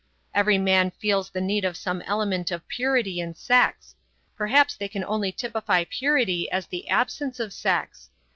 Every man feels the need of some element of purity in sex; perhaps they can only typify purity as the absence of sex.